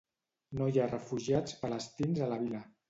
No hi ha refugiats palestins a la vila.